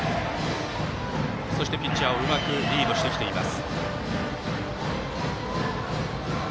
そして、ピッチャーをうまくリードしてきています。